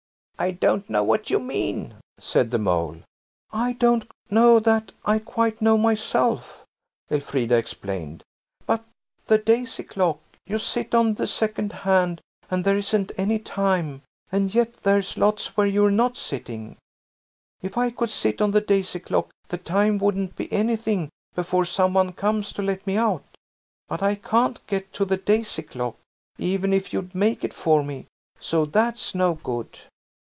"I don't know what you mean," said the Mole. "I don't know that I quite know myself," Elfrida explained; "but the daisy clock. You sit on the second hand and there isn't any time–and yet there's lots where you're not sitting. If I could sit on the daisy clock the time wouldn't be anything before some one comes to let me out. But I can't get to the daisy clock, even if you'd make it for me. So that's no good."